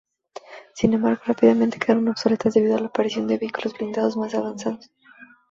Sin embargo, rápidamente quedaron obsoletas debido a la aparición de vehículos blindados más avanzados.